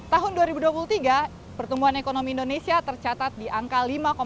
tahun dua ribu dua puluh tiga pertumbuhan ekonomi indonesia tercatat di angka lima tujuh